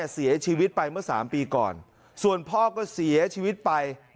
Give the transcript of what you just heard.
เสียชีวิตไปเมื่อ๓ปีก่อนส่วนพ่อก็เสียชีวิตไป